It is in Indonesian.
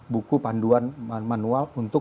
buku panduan manual untuk